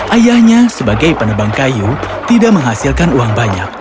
ayahnya sebagai penebang kayu tidak menghasilkan uang banyak